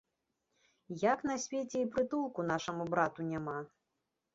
Як на свеце і прытулку нашаму брату няма!